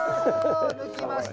抜きました。